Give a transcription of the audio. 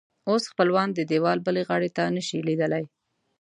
اوس خپلوان د دیوال بلې غاړې ته نه شي لیدلی.